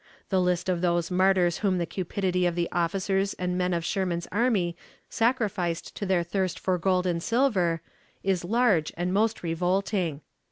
The list of those martyrs whom the cupidity of the officers and men of Sherman's army sacrificed to their thirst for gold and silver, is large and most revolting.